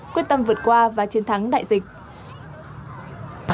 quyết tâm vượt qua và chiến thắng đại dịch